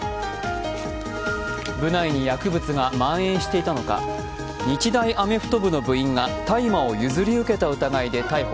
部内に薬物が蔓延していたのか、日大アメフト部の部員が大麻を譲り受けた疑いで逮捕。